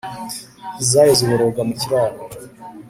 izayo ziboroga mu kiraro.